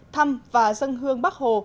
thăm và dân hương bắc hồ